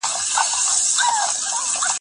په پېښور کې یې مزار ته ورخوریږي وطن